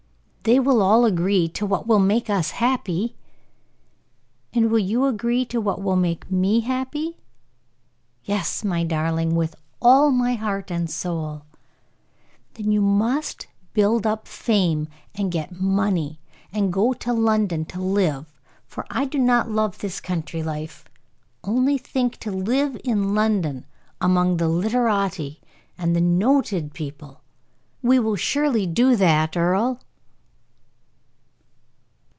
"They will all agree to what will make us happy." "And will you agree to what will make me happy?" "Yes, my darling, with all my heart and soul!" "Then you must build up fame, and get money, and go to London to live, for I do not love this country life. Only think, to live in London among the literati and the noted people! We will surely do that Earle?"